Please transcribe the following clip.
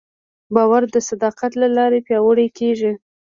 باور د صداقت له لارې پیاوړی کېږي.